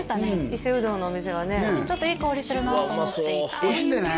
伊勢うどんのお店はねちょっといい香りするなと思っておいしいんだよね